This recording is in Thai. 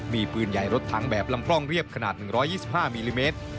มีปืนใหญ่รถทางแบบลำพร่องเรียบขนาด๑๒๕มิลลิเมตร